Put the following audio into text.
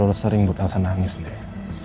lu udah selalu sering buat elsa nangis deh